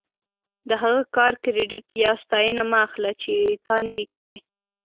د هغه کار کریډیټ یا ستاینه مه اخله چې تا نه وي کړی.